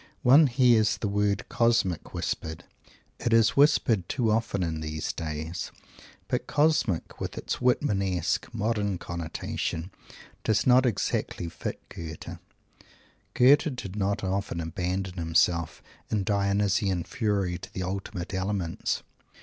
One hears the word "cosmic" whispered. It is whispered too often in these days. But "cosmic," with its Whitmanesque, modern connotation, does not exactly fit Goethe. Goethe did not often abandon himself in Dionysian fury to the ultimate Elements.